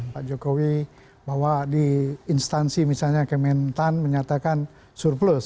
pak jokowi bahwa di instansi misalnya kementan menyatakan surplus